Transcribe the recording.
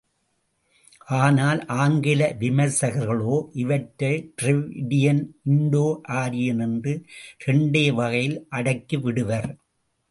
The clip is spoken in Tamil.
ஆனால், ஆங்கில விமர்சகர்களோ, இவற்றை ட்ரெவிடியன், இன்டோ ஆரியன் என்ற இரண்டே வகையில் அடக்கி விடுவர்.